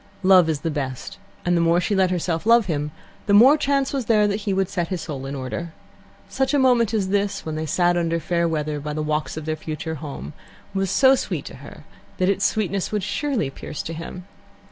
Love is the best, and the more she let herself love him, the more chance was there that he would set his soul in order. Such a moment as this, when they sat under fair weather by the walks of their future home, was so sweet to her that its sweetness would surely pierce to him.